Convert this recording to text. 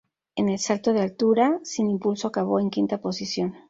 En el salto de altura sin impulso acabó en quinta posición.